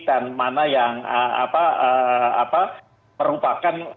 dan mana yang merupakan